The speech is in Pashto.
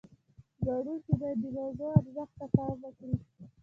ژباړونکي باید د موضوع ارزښت ته پام وکړي.